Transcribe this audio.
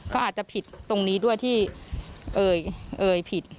ก็อาจจะผิดตรงนี้ด้วยที่เอ่ยผิด